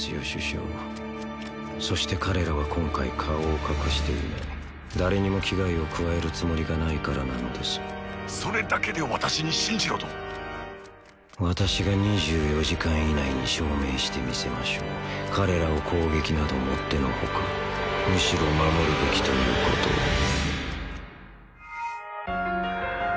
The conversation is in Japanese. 首相そして彼らは今回顔を隠していない誰にも危害を加えるつもりがないからなのです☎それだけで私に信じろと私が２４時間以内に証明してみせましょう彼らを攻撃などもってのほかむしろ守るべきということを